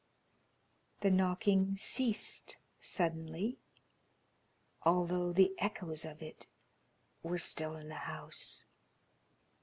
The knocking ceased suddenly, although the echoes of it were still in the house.